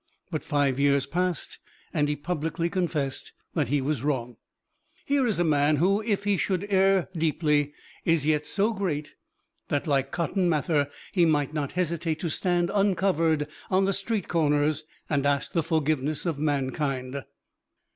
But five years passed, and he publicly confessed that he was wrong. Here is a man who, if he should err deeply, is yet so great that, like Cotton Mather, he might not hesitate to stand uncovered on the street corners and ask the forgiveness of mankind.